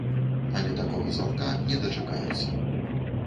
Але такога званка не дачакаюцца.